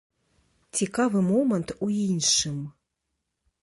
Цікавы момант у іншым.